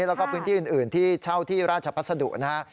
แล้วก็พื้นที่อื่นที่เช่าที่ราชพัสดุนะฮะ